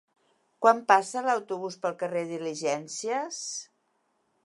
Quan passa l'autobús pel carrer Diligències?